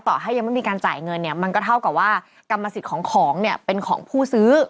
ต่อให้ยังไม่มีการจ่ายเงินเนี่ยมันก็เท่ากับว่ากรรมสิทธิ์ของของเนี่ยเป็นของผู้ซื้อ